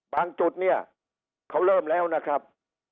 จุดเนี่ยเขาเริ่มแล้วนะครับ